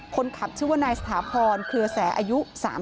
คนขับชื่อว่านายสถาพรเครือแสอายุ๓๐